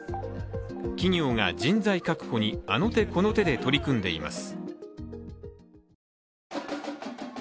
企業が人材確保にあの手この手で取り組んでいます。